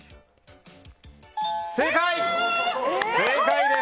正解です！